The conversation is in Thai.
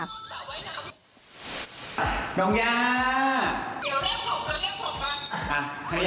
เหมือนมันยังไม่ได้เป็นวิชาการอะไรมากเนี่ย